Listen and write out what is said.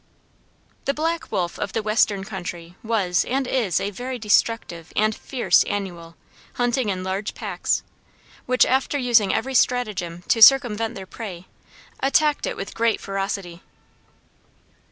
The black wolf of the Western country was and is a very destructive and fierce annual, hunting in large packs, which, after using every stratagem to circumvent their prey, attacked it with great ferocity.